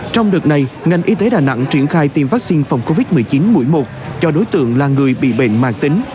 trong đợt này ngành y tế đà nẵng triển khai tiêm vaccine phòng covid một mươi chín mũi một cho đối tượng là người bị bệnh mạng tính